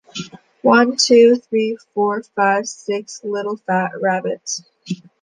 One, two, three, four, five, six little fat rabbits!